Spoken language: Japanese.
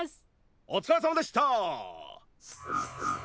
おつかれさまでした！